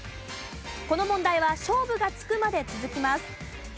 この問題は勝負がつくまで続きます。